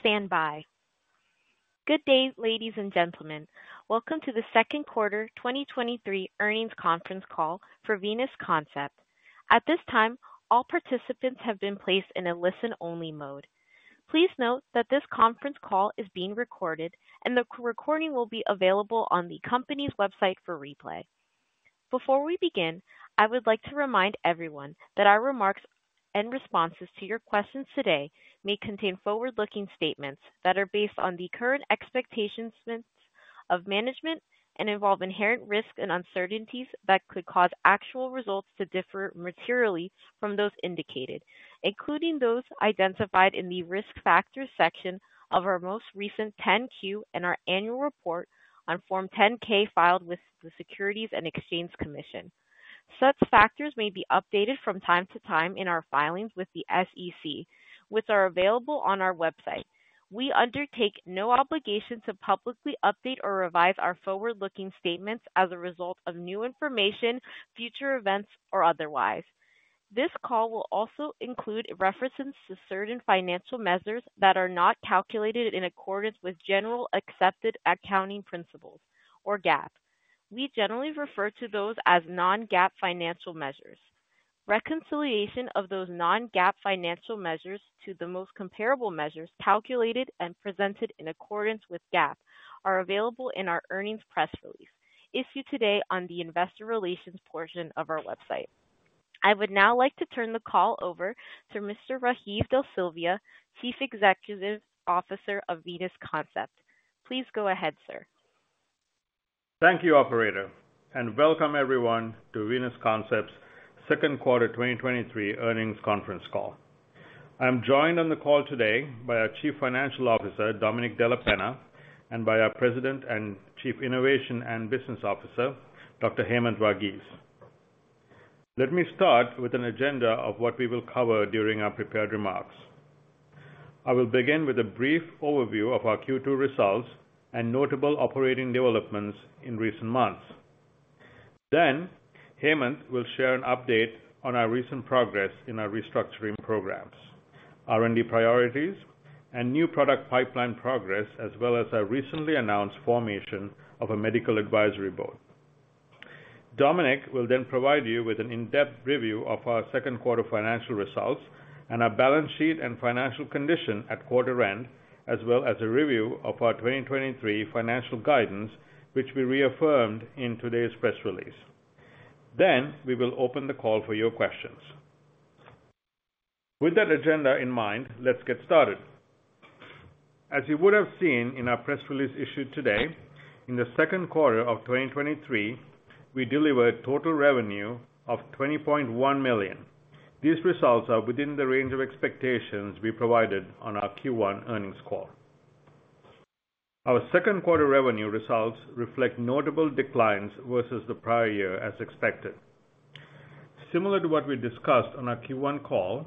Please stand by. Good day, ladies and gentlemen. Welcome to the second quarter 2023 earnings conference call for Venus Concept. At this time, all participants have been placed in a listen-only mode. Please note that this conference call is being recorded, and the recording will be available on the company's website for replay. Before we begin, I would like to remind everyone that our remarks and responses to your questions today may contain forward-looking statements that are based on the current expectations of management and involve inherent risks and uncertainties that could cause actual results to differ materially from those indicated, including those identified in the Risk Factors section of our most recent 10-Q and our annual report on Form 10-K filed with the Securities and Exchange Commission. Such factors may be updated from time to time in our filings with the SEC, which are available on our website. We undertake no obligation to publicly update or revise our forward-looking statements as a result of new information, future events, or otherwise. This call will also include references to certain financial measures that are not calculated in accordance with Generally Accepted Accounting Principles, or GAAP. We generally refer to those as non-GAAP financial measures. Reconciliation of those non-GAAP financial measures to the most comparable measures, calculated and presented in accordance with GAAP, are available in our earnings press release, issued today on the investor relations portion of our website. I would now like to turn the call over to Mr. Rajiv De Silva, Chief Executive Officer of Venus Concept. Please go ahead, sir. Thank you, operator, and welcome everyone to Venus Concept's second quarter 2023 earnings conference call. I'm joined on the call today by our Chief Financial Officer, Domenic Della Penna, and by our President and Chief Innovation and Business Officer, Dr. Hemanth Varghese. Let me start with an agenda of what we will cover during our prepared remarks. I will begin with a brief overview of our Q2 results and notable operating developments in recent months. Hemanth will share an update on our recent progress in our restructuring programs, R&D priorities, and new product pipeline progress, as well as our recently announced formation of a medical advisory board. Domenic will then provide you with an in-depth review of our second quarter financial results and our balance sheet and financial condition at quarter end, as well as a review of our 2023 financial guidance, which we reaffirmed in today's press release. We will open the call for your questions. With that agenda in mind, let's get started. As you would have seen in our press release issued today, in the second quarter of 2023, we delivered total revenue of $20.1 million. These results are within the range of expectations we provided on our Q1 earnings call. Our second quarter revenue results reflect notable declines versus the prior year, as expected. Similar to what we discussed on our Q1 call,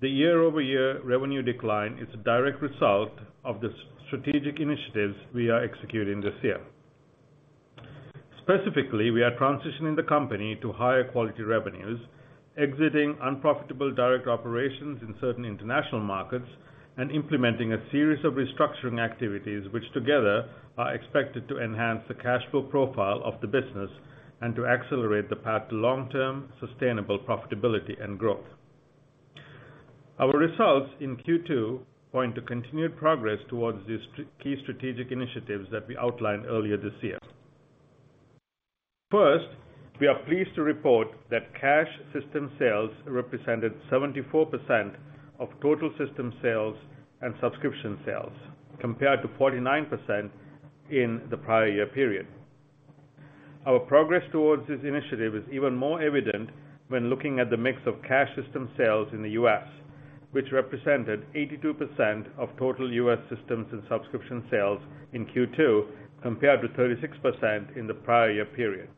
the year-over-year revenue decline is a direct result of the strategic initiatives we are executing this year. Specifically, we are transitioning the company to higher quality revenues, exiting unprofitable direct operations in certain international markets, and implementing a series of restructuring activities, which together are expected to enhance the cash flow profile of the business and to accelerate the path to long-term sustainable profitability and growth. Our results in Q2 point to continued progress towards these key strategic initiatives that we outlined earlier this year. First, we are pleased to report that cash system sales represented 74% of total system sales and subscription sales, compared to 49% in the prior year period. Our progress towards this initiative is even more evident when looking at the mix of cash system sales in the US, which represented 82% of total US systems and subscription sales in Q2, compared to 36% in the prior year period.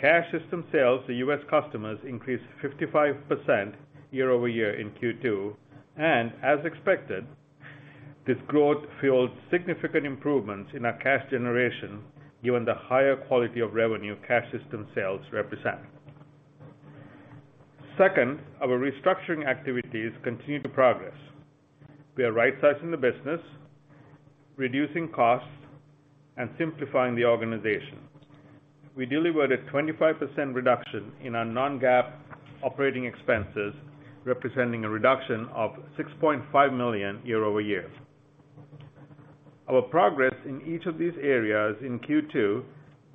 Cash system sales to US customers increased 55% year-over-year in Q2, and as expected, this growth fueled significant improvements in our cash generation, given the higher quality of revenue cash system sales represent. Second, our restructuring activities continue to progress. We are right-sizing the business, reducing costs, and simplifying the organization. We delivered a 25% reduction in our non-GAAP operating expenses, representing a reduction of $6.5 million year-over-year. Our progress in each of these areas in Q2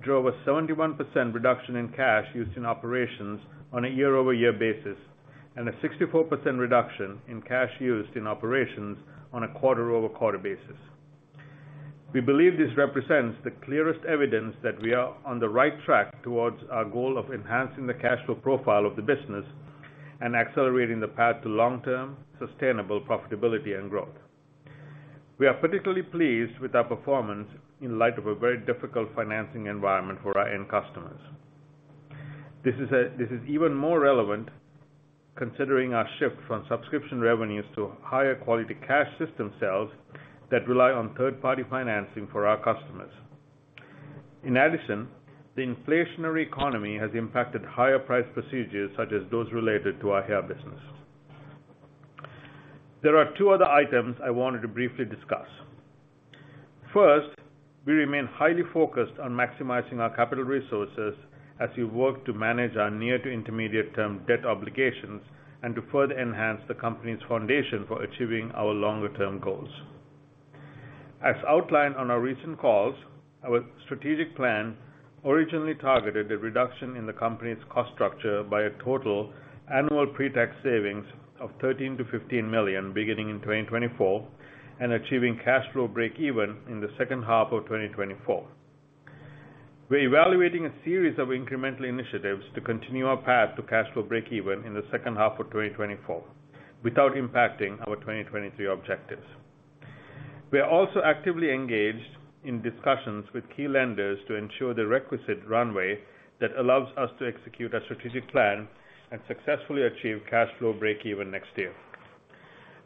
drove a 71% reduction in cash used in operations on a year-over-year basis, and a 64% reduction in cash used in operations on a quarter-over-quarter basis. We believe this represents the clearest evidence that we are on the right track towards our goal of enhancing the cash flow profile of the business and accelerating the path to long-term sustainable profitability and growth. We are particularly pleased with our performance in light of a very difficult financing environment for our end customers. This is, this is even more relevant considering our shift from subscription revenues to higher quality cash system sales that rely on third-party financing for our customers. The inflationary economy has impacted higher price procedures, such as those related to our hair business. There are two other items I wanted to briefly discuss. First, we remain highly focused on maximizing our capital resources as we work to manage our near to intermediate term debt obligations and to further enhance the company's foundation for achieving our longer term goals. As outlined on our recent calls, our strategic plan originally targeted a reduction in the company's cost structure by a total annual pre-tax savings of $13 million-$15 million, beginning in 2024, and achieving cash flow breakeven in the second half of 2024. We're evaluating a series of incremental initiatives to continue our path to cash flow breakeven in the second half of 2024, without impacting our 2023 objectives. We are also actively engaged in discussions with key lenders to ensure the requisite runway that allows us to execute our strategic plan and successfully achieve cash flow breakeven next year.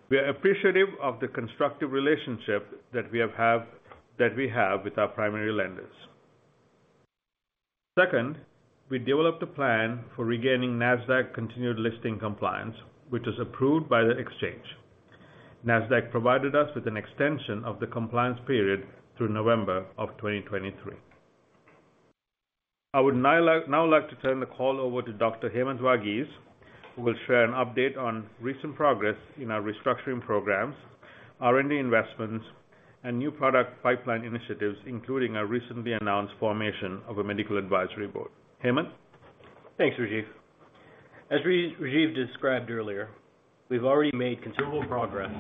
We are appreciative of the constructive relationship that we have, that we have with our primary lenders. Second, we developed a plan for regaining NASDAQ continued listing compliance, which was approved by the exchange. NASDAQ provided us with an extension of the compliance period through November 2023. I would now like to turn the call over to Dr. Hemanth Varghese, who will share an update on recent progress in our restructuring programs, R&D investments, and new product pipeline initiatives, including our recently announced formation of a medical advisory board. Hemant? Thanks, Rajiv. As Rajiv described earlier, we've already made considerable progress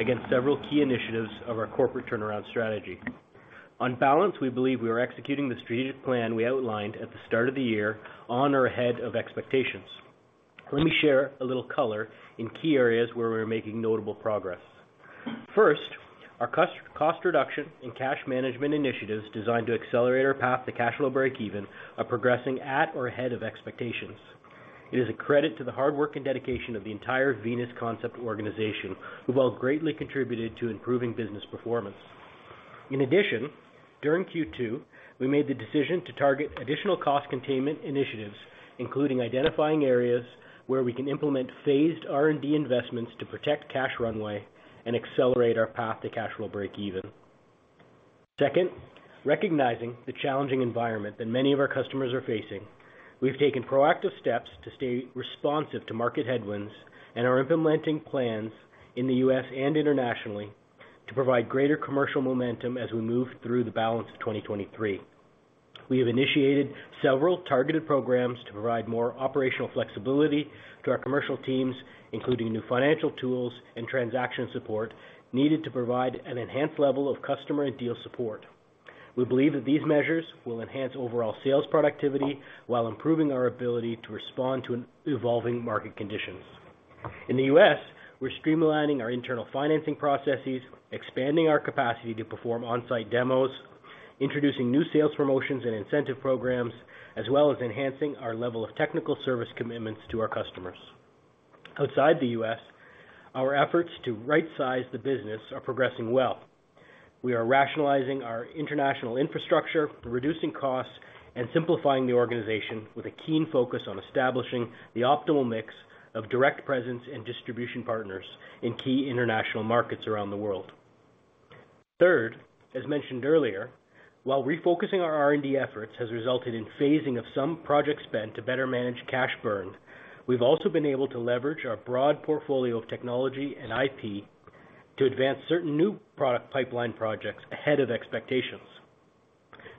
against several key initiatives of our corporate turnaround strategy. On balance, we believe we are executing the strategic plan we outlined at the start of the year on or ahead of expectations. Let me share a little color in key areas where we are making notable progress. First, our cost reduction and cash management initiatives designed to accelerate our path to cash flow breakeven, are progressing at or ahead of expectations. It is a credit to the hard work and dedication of the entire Venus Concept organization, who have all greatly contributed to improving business performance. In addition, during Q2, we made the decision to target additional cost containment initiatives, including identifying areas where we can implement phased R&D investments to protect cash runway and accelerate our path to cash flow breakeven. Second, recognizing the challenging environment that many of our customers are facing, we've taken proactive steps to stay responsive to market headwinds and are implementing plans in the US and internationally to provide greater commercial momentum as we move through the balance of 2023. We have initiated several targeted programs to provide more operational flexibility to our commercial teams, including new financial tools and transaction support, needed to provide an enhanced level of customer and deal support. We believe that these measures will enhance overall sales productivity while improving our ability to respond to an evolving market conditions. In the U.S., we're streamlining our internal financing processes, expanding our capacity to perform on-site demos, introducing new sales promotions and incentive programs, as well as enhancing our level of technical service commitments to our customers. Outside the U.S., our efforts to right size the business are progressing well. We are rationalizing our international infrastructure, reducing costs, and simplifying the organization with a keen focus on establishing the optimal mix of direct presence and distribution partners in key international markets around the world. Third, as mentioned earlier, while refocusing our R&D efforts has resulted in phasing of some project spend to better manage cash burn, we've also been able to leverage our broad portfolio of technology and IP to advance certain new product pipeline projects ahead of expectations.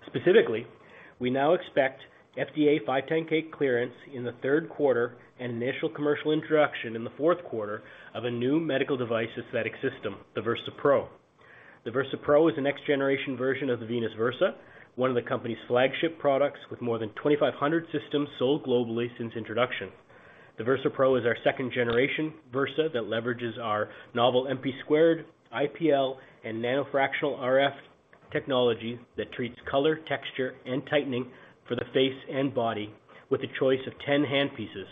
Specifically, we now expect FDA 510(k) clearance in the third quarter and initial commercial introduction in the fourth quarter of a new medical device aesthetic system, the VersaPro. The VersaPro is the next generation version of the Venus Versa, one of the company's flagship products, with more than 2,500 systems sold globally since introduction. The VersaPro is our second generation Versa that leverages our novel (MP)², IPL, and NanoFractional RF technology that treats color, texture, and tightening for the face and body with a choice of 10 hand pieces.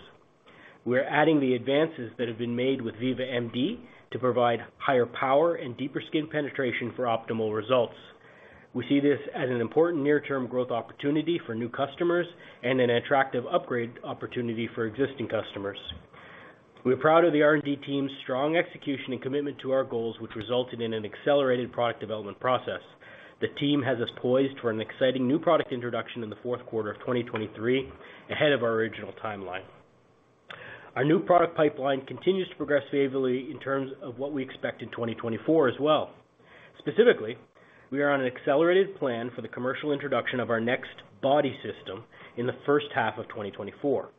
We're adding the advances that have been made with Viva MD to provide higher power and deeper skin penetration for optimal results. We see this as an important near-term growth opportunity for new customers and an attractive upgrade opportunity for existing customers. We are proud of the R&D team's strong execution and commitment to our goals, which resulted in an accelerated product development process. The team has us poised for an exciting new product introduction in the fourth quarter of 2023, ahead of our original timeline. Our new product pipeline continues to progress favorably in terms of what we expect in 2024 as well. Specifically, we are on an accelerated plan for the commercial introduction of our next body system in the first half of 2024.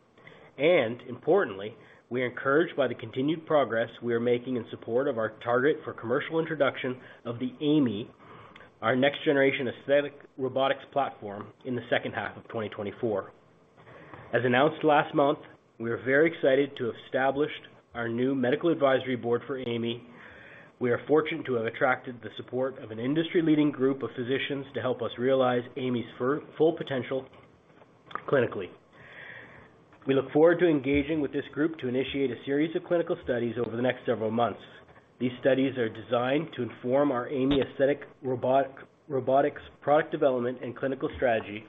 Importantly, we are encouraged by the continued progress we are making in support of our target for commercial introduction of the AI.ME, our next generation aesthetic robotics platform in the second half of 2024. As announced last month, we are very excited to have established our new medical advisory board for AI.ME. We are fortunate to have attracted the support of an industry-leading group of physicians to help us realize AI.ME's full potential clinically. We look forward to engaging with this group to initiate a series of clinical studies over the next several months. These studies are designed to inform our AI.ME Aesthetic robotic robotics product development and clinical strategy,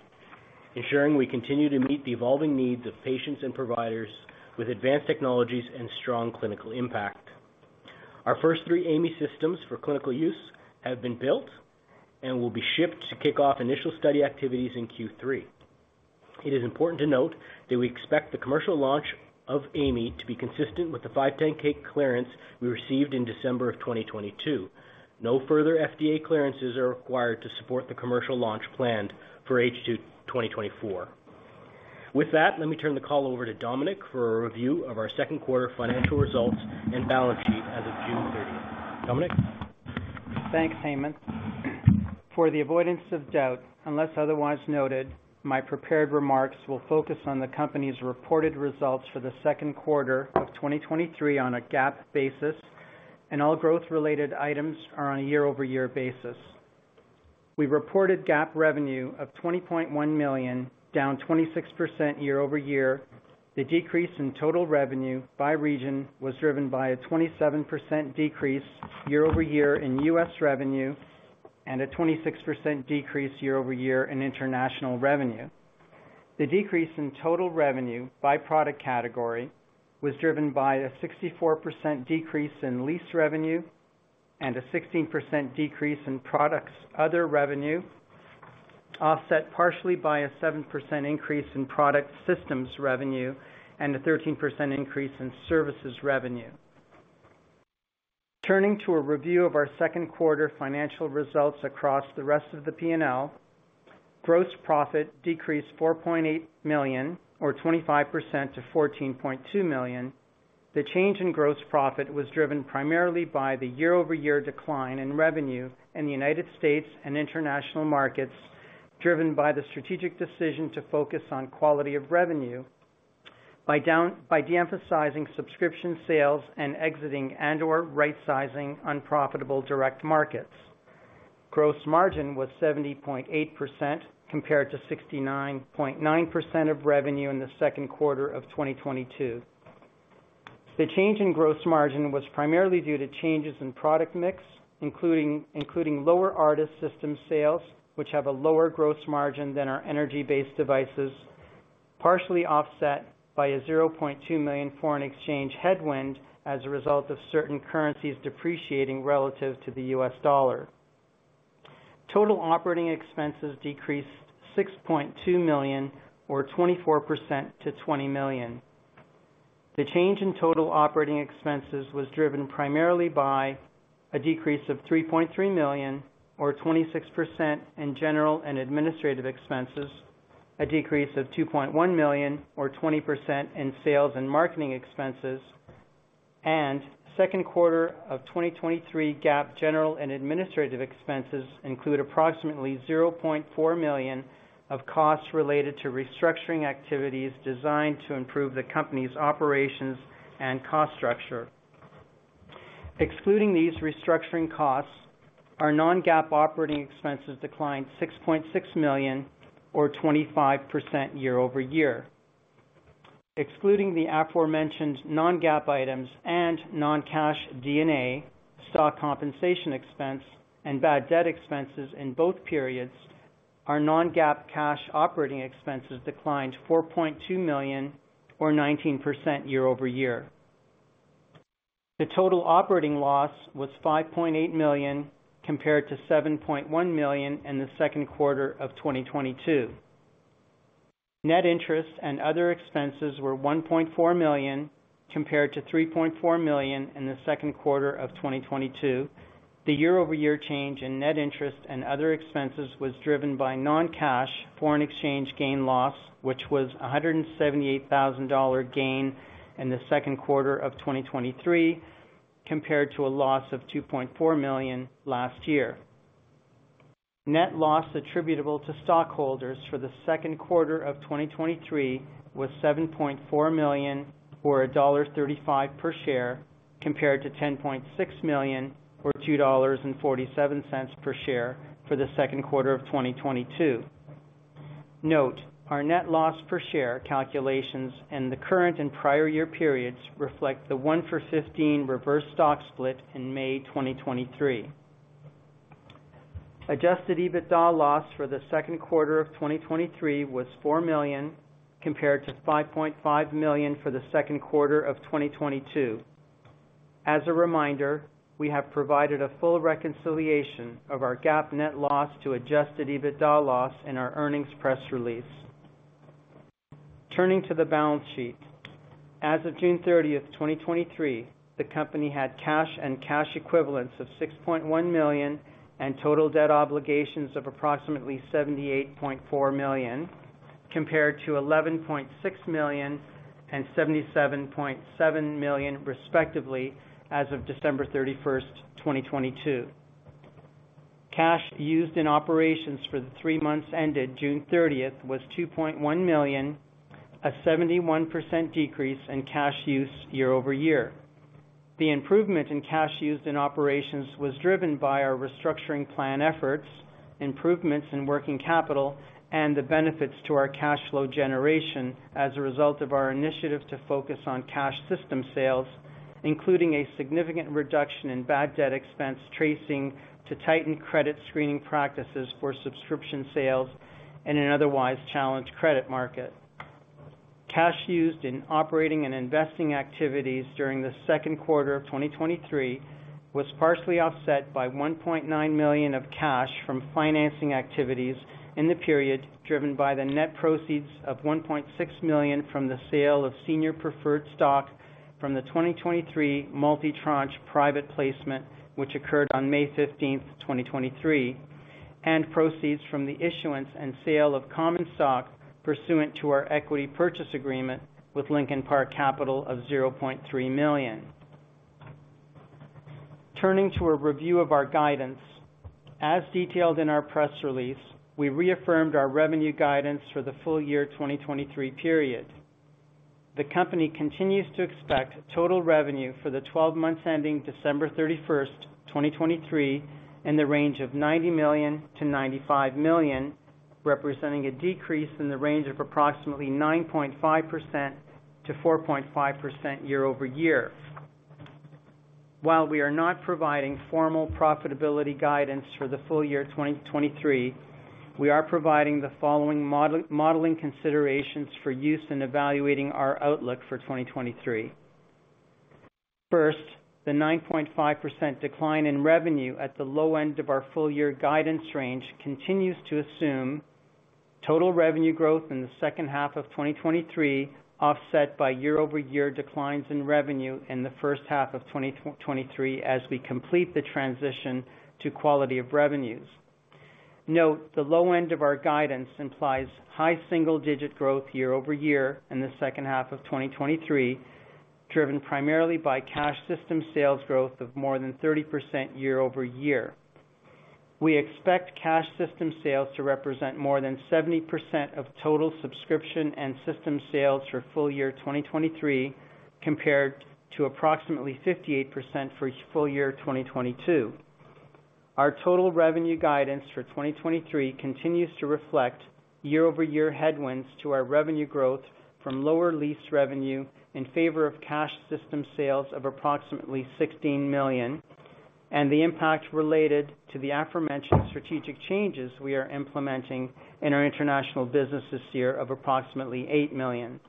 ensuring we continue to meet the evolving needs of patients and providers with advanced technologies and strong clinical impact. Our first three AI.ME systems for clinical use have been built and will be shipped to kick off initial study activities in Q3. It is important to note that we expect the commercial launch of AI.ME to be consistent with the 510(k) clearance we received in December of 2022. No further FDA clearances are required to support the commercial launch planned for H2 2024. With that, let me turn the call over to Dominic for a review of our second quarter financial results and balance sheet as of June 30th. Dominic? Thanks, Hemanth. For the avoidance of doubt, unless otherwise noted, my prepared remarks will focus on the company's reported results for the second quarter of 2023 on a GAAP basis, and all growth-related items are on a year-over-year basis. We reported GAAP revenue of $20.1 million, down 26% year-over-year. The decrease in total revenue by region was driven by a 27% decrease year-over-year in US revenue and a 26% decrease year-over-year in international revenue. The decrease in total revenue by product category was driven by a 64% decrease in lease revenue and a 16% decrease in products other revenue, offset partially by a 7% increase in product systems revenue and a 13% increase in services revenue. Turning to a review of our second quarter financial results across the rest of the P&L, gross profit decreased $4.8 million, or 25%, to $14.2 million. The change in gross profit was driven primarily by the year-over-year decline in revenue in the United States and international markets, driven by the strategic decision to focus on quality of revenue by de-emphasizing subscription sales and exiting and/or rightsizing unprofitable direct markets. Gross margin was 70.8%, compared to 69.9% of revenue in the second quarter of 2022. The change in gross margin was primarily due to changes in product mix, including, including lower ARTAS system sales, which have a lower gross margin than our energy-based devices, partially offset by a $0.2 million foreign exchange headwind as a result of certain currencies depreciating relative to the US dollar. Total operating expenses decreased $6.2 million, or 24%, to $20 million. The change in total operating expenses was driven primarily by a decrease of $3.3 million, or 26%, in general and administrative expenses, a decrease of $2.1 million, or 20%, in sales and marketing expenses. Second quarter of 2023 GAAP general and administrative expenses include approximately $0.4 million of costs related to restructuring activities designed to improve the company's operations and cost structure. Excluding these restructuring costs, our non-GAAP operating expenses declined $6.6 million, or 25%, year-over-year. Excluding the aforementioned non-GAAP items and non-cash D&A, stock compensation expense, and bad debt expenses in both periods, our non-GAAP cash operating expenses declined $4.2 million, or 19%, year-over-year. The total operating loss was $5.8 million, compared to $7.1 million in the second quarter of 2022. Net interest and other expenses were $1.4 million, compared to $3.4 million in the second quarter of 2022. The year-over-year change in net interest and other expenses was driven by non-cash foreign exchange gain loss, which was a $178,000 gain in the second quarter of 2023, compared to a loss of $2.4 million last year. Net loss attributable to stockholders for the second quarter of 2023 was $7.4 million, or $1.35 per share, compared to $10.6 million, or $2.47 per share, for the second quarter of 2022. Note, our net loss per share calculations in the current and prior year periods reflect the 1-for-15 reverse stock split in May 2023. Adjusted EBITDA loss for the second quarter of 2023 was $4 million, compared to $5.5 million for the second quarter of 2022. As a reminder, we have provided a full reconciliation of our GAAP net loss to adjusted EBITDA loss in our earnings press release. Turning to the balance sheet. As of June 30th, 2023, the company had cash and cash equivalents of $6.1 million and total debt obligations of approximately $78.4 million, compared to $11.6 million and $77.7 million, respectively, as of December 31st, 2022. Cash used in operations for the three months ended June 30th was $2.1 million, a 71% decrease in cash use year-over-year. The improvement in cash used in operations was driven by our restructuring plan efforts, improvements in working capital, and the benefits to our cash flow generation as a result of our initiative to focus on cash system sales, including a significant reduction in bad debt expense, tracing to tighten credit screening practices for subscription sales in an otherwise challenged credit market. Cash used in operating and investing activities during the second quarter of 2023 was partially offset by $1.9 million of cash from financing activities in the period, driven by the net proceeds of $1.6 million from the sale of senior preferred stock from the 2023 multi-tranche private placement, which occurred on May 15th, 2023, and proceeds from the issuance and sale of common stock pursuant to our equity purchase agreement with Lincoln Park Capital of $0.3 million. Turning to a review of our guidance. As detailed in our press release, we reaffirmed our revenue guidance for the full year 2023 period. The company continues to expect total revenue for the 12 months ending December 31, 2023, in the range of $90 million-$95 million, representing a decrease in the range of approximately 9.5%-4.5% year-over-year. While we are not providing formal profitability guidance for the full year 2023, we are providing the following modeling considerations for use in evaluating our outlook for 2023. First, the 9.5% decline in revenue at the low end of our full year guidance range continues to assume total revenue growth in the second half of 2023, offset by year-over-year declines in revenue in the first half of 2023, as we complete the transition to quality of revenues. Note, the low end of our guidance implies high single-digit growth year-over-year in the second half of 2023, driven primarily by cash system sales growth of more than 30% year-over-year. We expect cash system sales to represent more than 70% of total subscription and system sales for full year 2023, compared to approximately 58% for full year 2022. Our total revenue guidance for 2023 continues to reflect year-over-year headwinds to our revenue growth from lower lease revenue in favor of cash system sales of approximately $16 million, and the impact related to the aforementioned strategic changes we are implementing in our international business this year of approximately $8 million.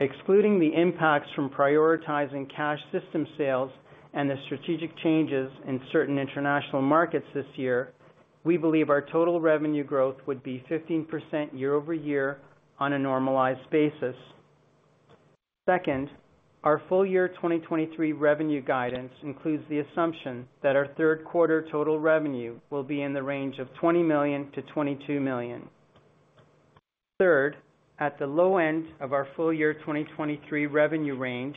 Excluding the impacts from prioritizing cash system sales and the strategic changes in certain international markets this year, we believe our total revenue growth would be 15% year-over-year on a normalized basis. Second, our full year 2023 revenue guidance includes the assumption that our third quarter total revenue will be in the range of $20 million-$22 million. Third, at the low end of our full year 2023 revenue range,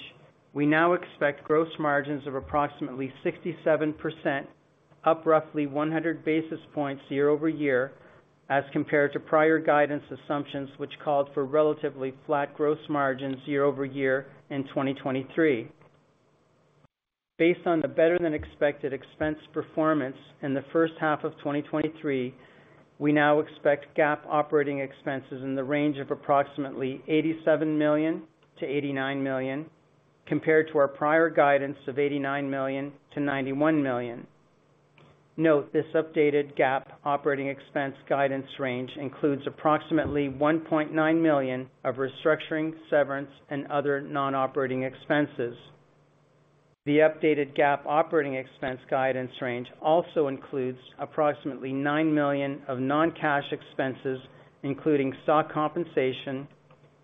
we now expect gross margins of approximately 67%, up roughly 100 basis points year-over-year, as compared to prior guidance assumptions, which called for relatively flat gross margins year-over-year in 2023. Based on the better-than-expected expense performance in the first half of 2023, we now expect GAAP operating expenses in the range of approximately $87 million-$89 million, compared to our prior guidance of $89 million-$91 million. Note, this updated GAAP operating expense guidance range includes approximately $1.9 million of restructuring, severance, and other non-operating expenses. The updated GAAP operating expense guidance range also includes approximately $9 million of non-cash expenses, including stock compensation,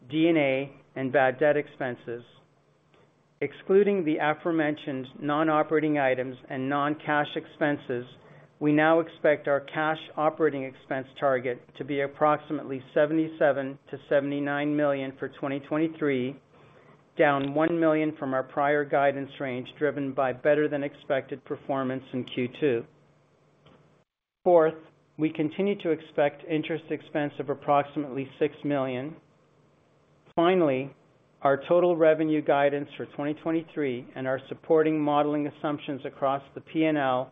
D&A, and bad debt expenses. Excluding the aforementioned non-operating items and non-cash expenses, we now expect our cash operating expense target to be approximately $77 million-$79 million for 2023, down $1 million from our prior guidance range, driven by better-than-expected performance in Q2. Fourth, we continue to expect interest expense of approximately $6 million. Finally, our total revenue guidance for 2023 and our supporting modeling assumptions across the P&L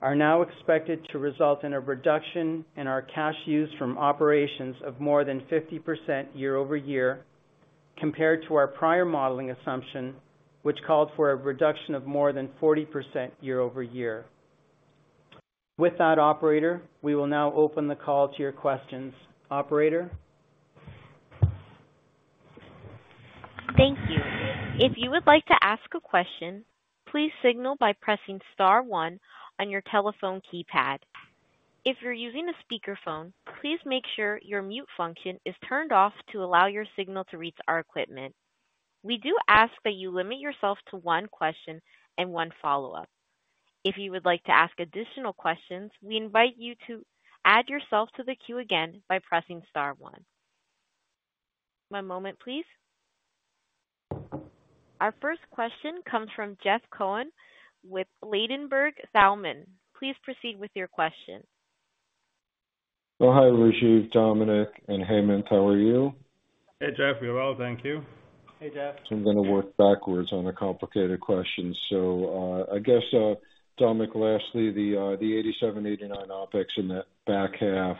are now expected to result in a reduction in our cash used from operations of more than 50% year-over-year, compared to our prior modeling assumption, which called for a reduction of more than 40% year-over-year. With that operator, we will now open the call to your questions. Operator? Thank you. If you would like to ask a question, please signal by pressing star one on your telephone keypad. If you're using a speakerphone, please make sure your mute function is turned off to allow your signal to reach our equipment. We do ask that you limit yourself to one question and one follow-up. If you would like to ask additional questions, we invite you to add yourself to the queue again by pressing star one. One moment, please. Our first question comes from Jeff Cohen with Ladenburg Thalmann. Please proceed with your question. Oh, hi, Rajiv, Dominic, and Heymanth. How are you? Hey, Jeff, we're well, thank you. Hey, Jeff. I'm gonna work backwards on a complicated question. I guess Dominic, lastly, the 87-89 OpEx in that back half,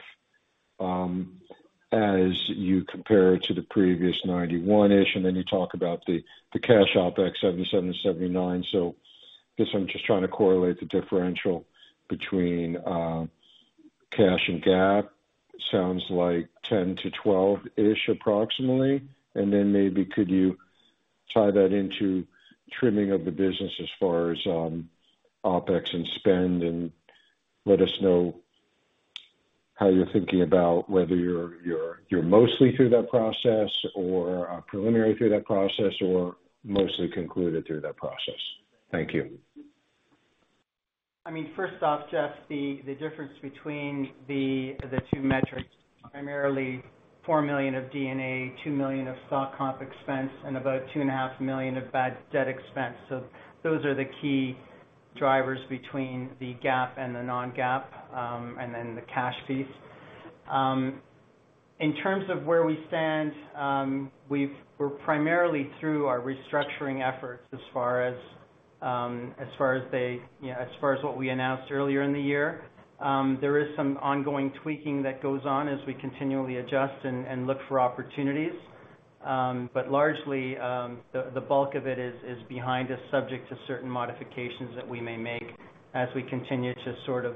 as you compare it to the previous 91-ish, and then you talk about the cash OpEx, 77-79. Guess I'm just trying to correlate the differential between cash and GAAP. Sounds like 10-12-ish, approximately. Maybe could you tie that into trimming of the business as far as OpEx and spend, and let us know how you're thinking about whether you're, you're, you're mostly through that process, or preliminary through that process, or mostly concluded through that process? Thank you. I mean, first off, Jeff, the difference between the two metrics, primarily $4 million of D&A, $2 million of stock comp expense, and about $2.5 million of bad debt expense. Those are the key drivers between the GAAP and the non-GAAP, and then the cash piece. In terms of where we stand, we're primarily through our restructuring efforts as far as they, you know, as far as what we announced earlier in the year. There is some ongoing tweaking that goes on as we continually adjust and look for opportunities. Largely, the bulk of it is behind us, subject to certain modifications that we may make as we continue to sort of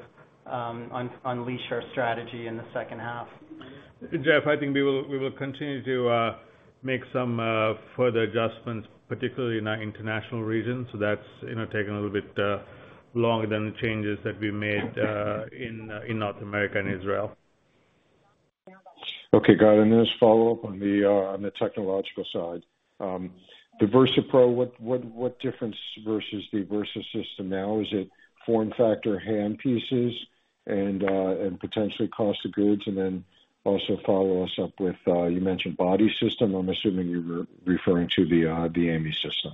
unleash our strategy in the second half. Jeff, I think we will, we will continue to make some further adjustments, particularly in our international regions. That's, you know, taking a little bit longer than the changes that we made in in North America and Israel. Okay, got it. Just follow up on the technological side. The Venus Versa Pro, what, what, what difference versus the Venus Versa system now? Is it form factor, hand pieces and potentially cost of goods? Also, follow us up with, you mentioned body system. I'm assuming you were referring to the AI.ME system?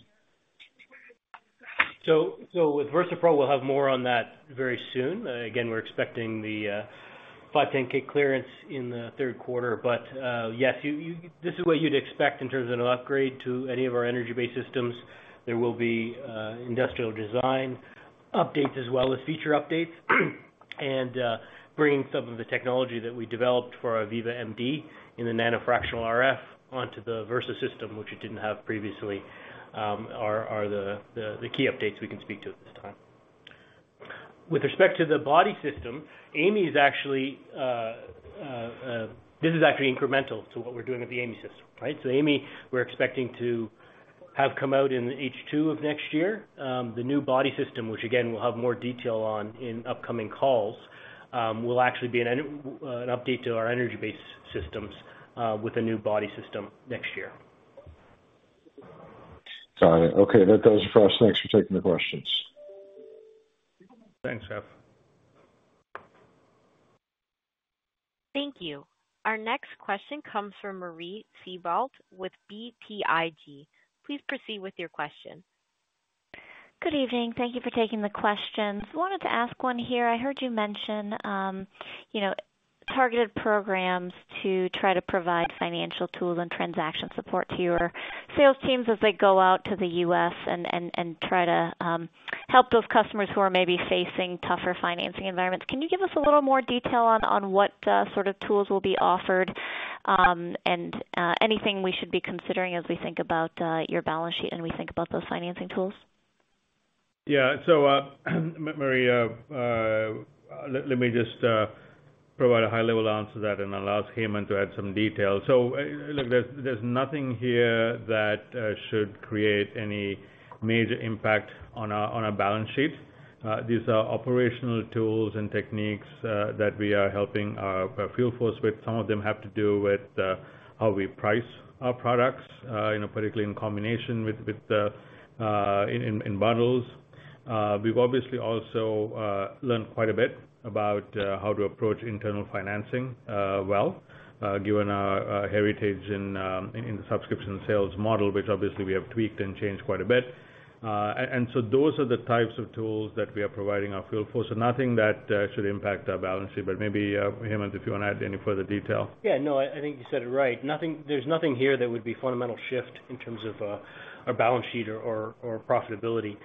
With Venus Versa Pro, we'll have more on that very soon. Again, we're expecting the 510(k) clearance in the third quarter. Yes, this is what you'd expect in terms of an upgrade to any of our energy-based systems. There will be industrial design updates as well as feature updates. Bringing some of the technology that we developed for our Venus Viva MD in the NanoFractional RF onto the Versa system, which it didn't have previously, are the key updates we can speak to at this time. With respect to the body system, AI.ME is actually incremental to what we're doing with the AI.ME system, right? AI.ME, we're expecting to have come out in H2 of next year. The new body system, which again, we'll have more detail on in upcoming calls, will actually be an update to our energy-based systems with a new body system next year. Got it. Okay, that does it for us. Thanks for taking the questions. Thanks, Jeff. Thank you. Our next question comes from Marie Thibault with BTIG. Please proceed with your question. Good evening. Thank you for taking the questions. Wanted to ask one here. I heard you mention, you know, targeted programs to try to provide financial tools and transaction support to your sales teams as they go out to the U.S. and, and, and try to help those customers who are maybe facing tougher financing environments. Can you give us a little more detail on, on what sort of tools will be offered, and anything we should be considering as we think about your balance sheet and we think about those financing tools? Yeah. Marie, let, let me just provide a high-level answer to that and allow Hemant to add some detail. Look, there's, there's nothing here that should create any major impact on our, on our balance sheet. These are operational tools and techniques that we are helping our, our field force with. Some of them have to do with how we price our products, you know, particularly in combination with, with, in, in, in bundles. We've obviously also learned quite a bit about how to approach internal financing, well, given our heritage in, in, in the subscription sales model, which obviously we have tweaked and changed quite a bit. And so those are the types of tools that we are providing our field force. Nothing that should impact our balance sheet, but maybe Hemant, if you want to add any further detail. Yeah, no, I, I think you said it right. There's nothing here that would be fundamental shift in terms of our balance sheet or profitability.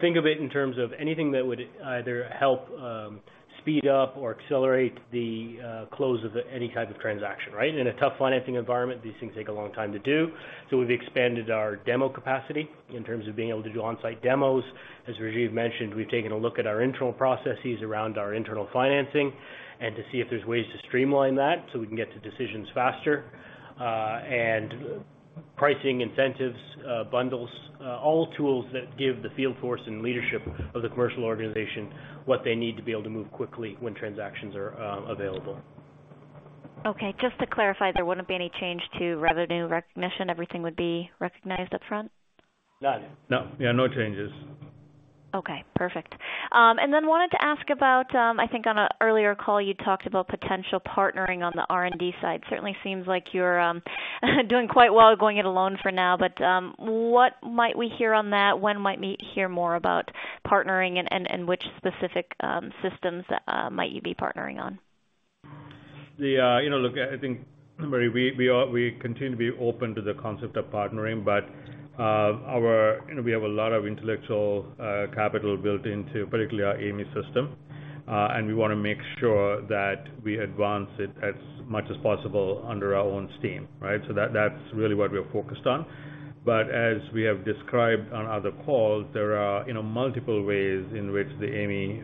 Think of it in terms of anything that would either help speed up or accelerate the close of any type of transaction, right? In a tough financing environment, these things take a long time to do. We've expanded our demo capacity in terms of being able to do on-site demos. As Rajiv mentioned, we've taken a look at our internal processes around our internal financing and to see if there's ways to streamline that, so we can get to decisions faster. Pricing incentives, bundles, all tools that give the field force and leadership of the commercial organization what they need to be able to move quickly when transactions are available. Okay. Just to clarify, there wouldn't be any change to revenue recognition. Everything would be recognized upfront? None. No. Yeah, no changes. Okay, perfect. Wanted to ask about. I think on an earlier call, you talked about potential partnering on the R&D side. Certainly seems like you're doing quite well going it alone for now. What might we hear on that? When might we hear more about partnering and which specific systems might you be partnering on? The, you know, look, I think, Marie, we are, we continue to be open to the concept of partnering, but our, you know, we have a lot of intellectual capital built into particularly our AI.ME system, and we wanna make sure that we advance it as much as possible under our own steam, right? That's really what we're focused on. As we have described on other calls, there are, you know, multiple ways in which the AI.ME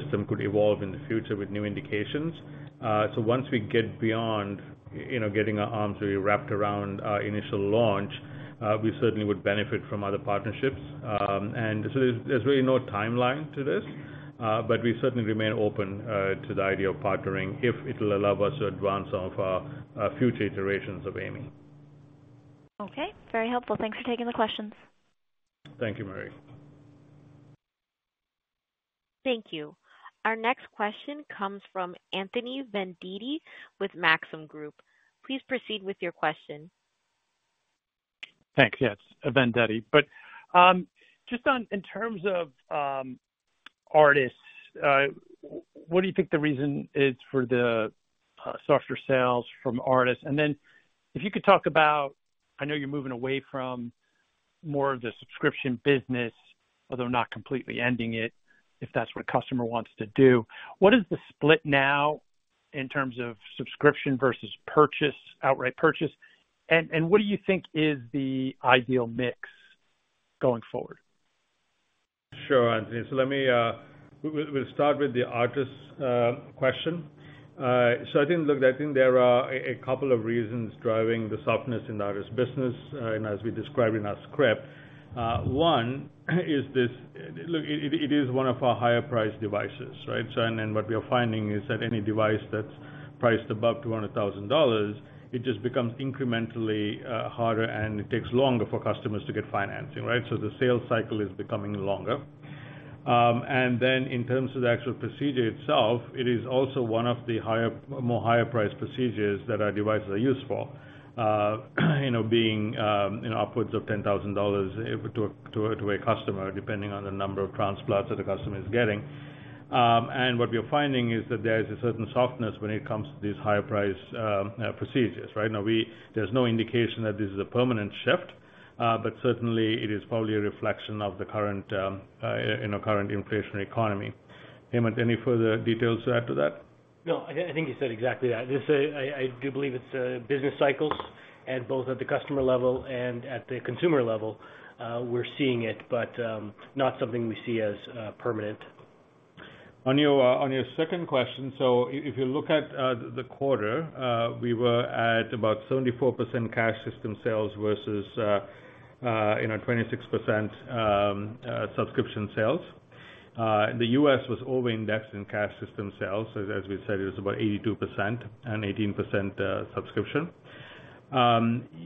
system could evolve in the future with new indications. Once we get beyond, you know, getting our arms really wrapped around our initial launch, we certainly would benefit from other partnerships. There's, there's really no timeline to this, but we certainly remain open to the idea of partnering if it'll allow us to advance some of our future iterations of AI.ME. Okay, very helpful. Thanks for taking the questions. Thank you, Marie. Thank you. Our next question comes from Anthony Vendetti with Maxim Group. Please proceed with your question. Thanks. Yes, Vendetti. Just on, in terms of, ARTAS, what do you think the reason is for the softer sales from ARTAS? Then if you could talk about, I know you're moving away from more of the subscription business, although not completely ending it, if that's what a customer wants to do. What is the split now in terms of subscription versus purchase, outright purchase? What do you think is the ideal mix going forward? Sure, Anthony. Let me, we'll start with the ARTAS question. I think, look, I think there are a couple of reasons driving the softness in the ARTAS business, and as we described in our script. One, look, it is one of our higher priced devices, right? What we are finding is that any device that's priced above $200,000, it just becomes incrementally harder, and it takes longer for customers to get financing, right? The sales cycle is becoming longer. Then in terms of the actual procedure itself, it is also one of the higher, more higher priced procedures that our devices are used for, you know, being, you know, upwards of $10,000 to, to, to a customer, depending on the number of transplants that a customer is getting. What we're finding is that there is a certain softness when it comes to these higher priced procedures, right? Now, there's no indication that this is a permanent shift, but certainly it is probably a reflection of the current, you know, current inflationary economy. Hemant, any further details to add to that? No, I, I think you said exactly that. I, I do believe it's business cycles, and both at the customer level and at the consumer level, we're seeing it, but not something we see as permanent. On your second question, if you look at the quarter, we were at about 74% cash system sales versus, you know, 26% subscription sales. The U.S. was over indexed in cash system sales. As we said, it was about 82% and 18% subscription.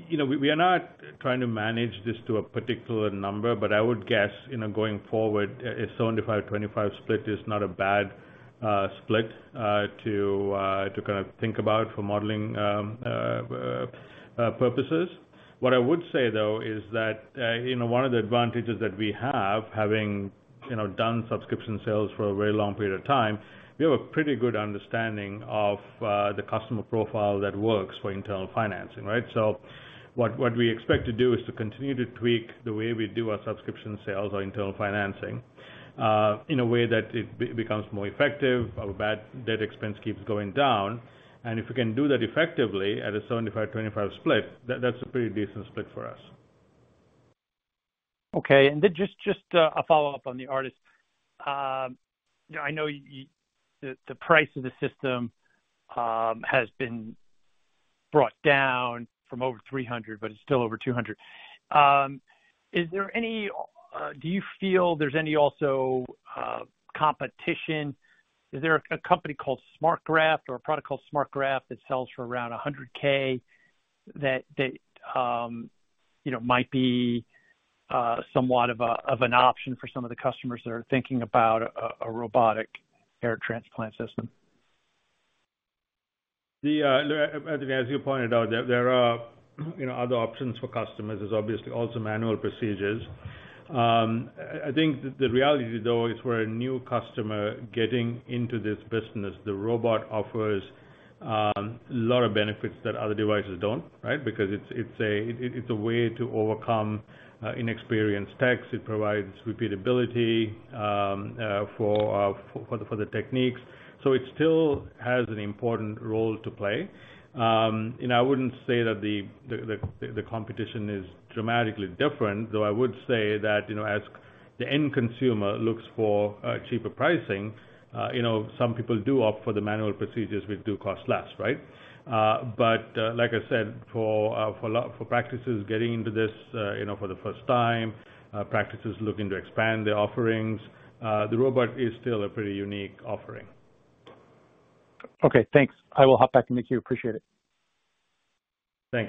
You know, we are not trying to manage this to a particular number, but I would guess, you know, going forward, a 75/25 split is not a bad split to kind of think about for modeling purposes. What I would say, though, is that, you know, one of the advantages that we have, having, you know, done subscription sales for a very long period of time, we have a pretty good understanding of the customer profile that works for internal financing, right? What, what we expect to do is to continue to tweak the way we do our subscription sales or internal financing in a way that it becomes more effective, our bad debt expense keeps going down, and if we can do that effectively at a 75/25 split, that, that's a pretty decent split for us. Okay. Then just, just a follow-up on the ARTAS. You know, I know the price of the system has been brought down from over $300, but it's still over $200. Is there any? Do you feel there's any also competition? Is there a company called SmartGraft or a product called SmartGraft that sells for around $100K that, you know, might be somewhat of an option for some of the customers that are thinking about a robotic hair transplant system? The look, Anthony, as you pointed out, there, there are, you know, other options for customers. There's obviously also manual procedures. I, I think the, the reality, though, is for a new customer getting into this business, the robot offers a lot of benefits that other devices don't, right? Because it's, it's a, it, it's a way to overcome inexperienced techs. It provides repeatability for the, for the techniques. It still has an important role to play. You know, I wouldn't say that the, the, the, the competition is dramatically different, though I would say that, you know, as the end consumer looks for cheaper pricing, you know, some people do opt for the manual procedures, which do cost less, right? Like I said, for, for a lot, for practices getting into this, you know, for the first time, practices looking to expand their offerings, the robot is still a pretty unique offering. Okay, thanks. I will hop back in the queue. Appreciate it. Thank you, Anthony.